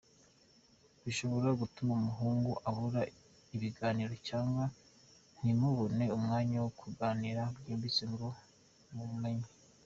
Bishobora gutuma umuhungu abura ibiganiro cyangwa ntimubone umwanya wo kuganira byimbitse ngo mumenyane.